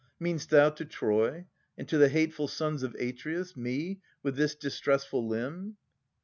Mean'st thou to Troy, and to the hateful sons Of Atreus, me, with this distressful limb